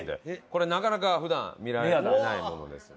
これなかなか普段見られないものです。